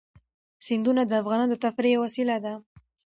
سیندونه د افغانانو د تفریح یوه وسیله ده.